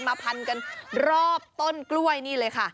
มาพันกันรอบต้นกล้วยนี่เลยค่ะ